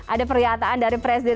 ada pernyataan dari pres becerita